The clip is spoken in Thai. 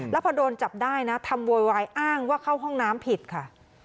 แล้วพอโดนจับได้นะทำโวยวายอ้างว่าเข้าห้องน้ำผิดค่ะ